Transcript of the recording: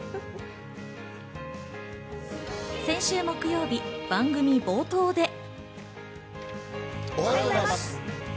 先週木曜日、番組冒頭で。